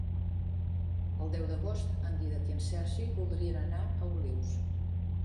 El deu d'agost en Dídac i en Sergi voldrien anar a Olius.